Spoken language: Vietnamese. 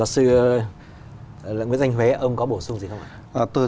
thưa ngài nguyên danh huế ông có bổ sung gì không ạ